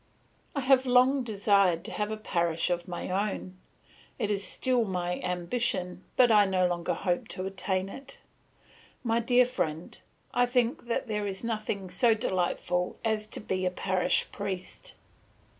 "I have long desired to have a parish of my own; it is still my ambition, but I no longer hope to attain it. My dear friend, I think there is nothing so delightful as to be a parish priest.